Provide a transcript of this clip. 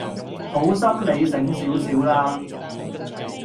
好心你醒少少啦